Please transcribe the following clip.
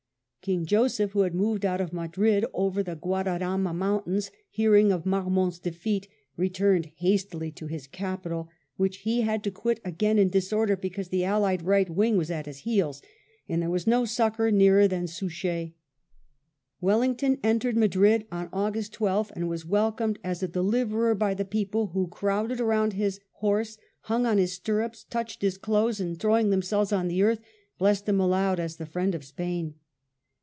King Joseph, who had moved out of Madrid over the Guadarama mountains, hearing of Marmont's defeat^ returned hastily to his capital, which he had to quit again in disorder, because the Allied right wing was at his heels, and there was no succour nearer than Suchet Wellington entered Madrid on August 12th, and was welcomed as a de liverer by the people, who " crowded around his horse, hung on his stirrups, touched his clothes, and throwing themselves on the earth, blessed him aloud as the friend of Spain."